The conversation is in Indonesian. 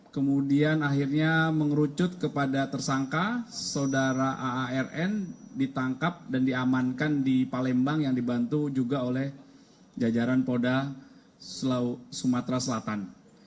kemudian akhirnya mengerucut kepada tersangka saudara aarn ditangkap dan diamankan di palembang yang dibantu juga oleh jajaran polda sumatera selatan